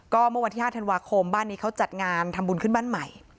เมื่อวันที่๕ธันวาคมบ้านนี้เขาจัดงานทำบุญขึ้นบ้านใหม่